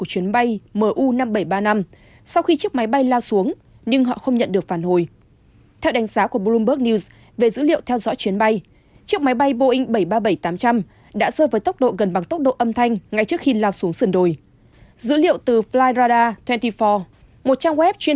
về nguyên nhân khiến chiếc máy bay boeing bảy trăm ba mươi bảy tám trăm linh gặp nạn